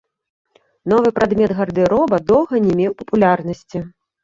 Новы прадмет гардэроба доўга не меў папулярнасці.